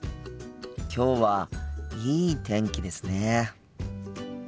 きょうはいい天気ですね。